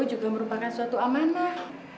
juga merupakan suatu amanah